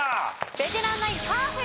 ベテランナインパーフェクト！